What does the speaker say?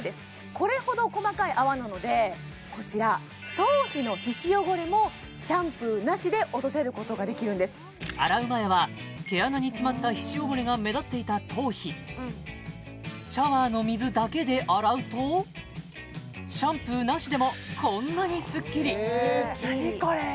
これほど細かい泡なのでこちら頭皮の皮脂汚れもシャンプーなしで落とせることができるんです洗う前は毛穴に詰まった皮脂汚れが目立っていた頭皮シャワーの水だけで洗うとシャンプーなしでもこんなにスッキリ何これ？